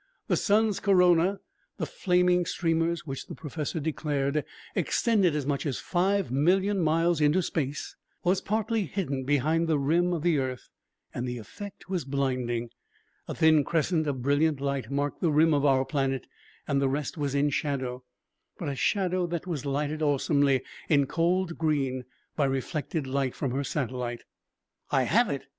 The sun's corona the flaming streamers which the professor declared extended as much as five million miles into space was partly hidden behind the rim of the earth and the effect was blinding. A thin crescent of brilliant light marked the rim of our planet and the rest was in shadow, but a shadow that was lighted awesomely in cold green by reflected light from her satellite. "I have it!"